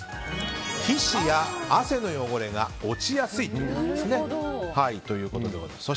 皮脂や汗の汚れが落ちやすいということでございます。